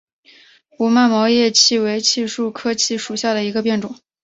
五脉毛叶槭为槭树科槭属下的一个变种。